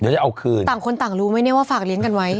ต่างคนต่างรู้ไหมเนี่ยว่าฝากเลี้ยงกันไว้